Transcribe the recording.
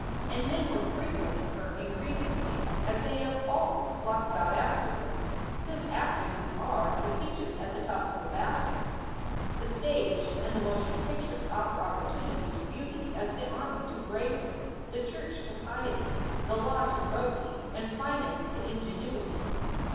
And men were frequenting her increasingly, as they have always flocked about actresses, since actresses are the peaches at the top of the basket. The stage and the motion pictures offer opportunity to beauty as the army to bravery, the church to piety, the law to probity, and finance to ingenuity.